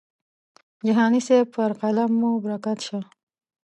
جهاني صاحب پر قلم مو برکت شه.